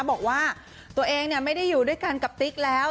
บอกว่าตัวเองไม่ได้อยู่ด้วยกันกับติ๊กแล้ว